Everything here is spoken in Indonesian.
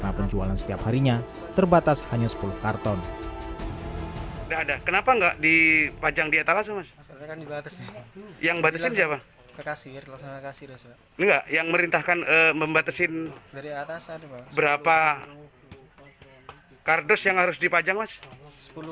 ini gak yang merintahkan membatesin berapa kardus yang harus dipajang mas